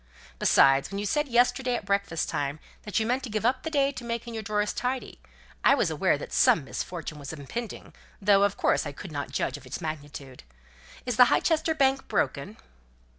Besides, when you said yesterday at breakfast time that you meant to give up the day to making your drawers tidy, I was aware that some misfortune was impending, though of course I could not judge of its magnitude. Is the Highchester Bank broken?"